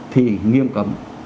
thì nghiêm cấm